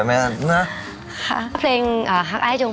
ฮักนิดหน่อยก็เรียกว่าฮักจริง